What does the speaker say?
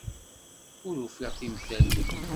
Ur ufiɣ timtal-im.